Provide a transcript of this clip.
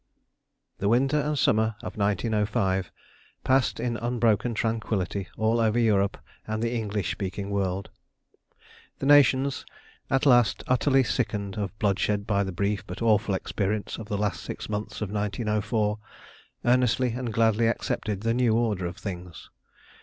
The winter and summer of 1905 passed in unbroken tranquillity all over Europe and the English speaking world. The nations, at last utterly sickened of bloodshed by the brief but awful experience of the last six months of 1904, earnestly and gladly accepted the new order of things.